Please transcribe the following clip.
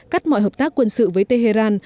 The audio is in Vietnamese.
cắt mọi hợp tác quân sự với tehran